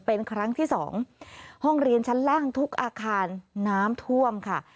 เป็นครั้งที่สองห้องเรียนชั้นล่างทุกอาคารน้ำท่วมค่ะ